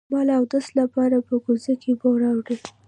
ما د اودس لپاره په کوزه کې اوبه راوړې.